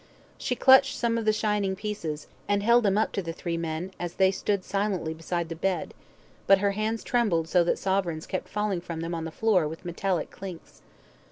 She clutched some of the shining pieces, and held them up to the three men as they stood silently beside the bed, but her hands trembled so that sovereigns kept falling from them on the floor with metallic clinks.